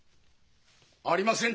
ありません！